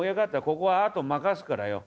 ここはあと任すからよ」。